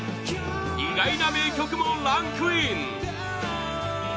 意外な名曲もランクイン！